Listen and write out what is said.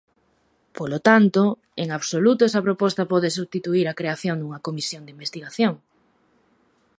Polo tanto, en absoluto esa proposta pode substituír a creación dunha comisión de investigación.